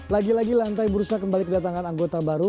lagi lagi lantai bursa kembali kedatangan anggota baru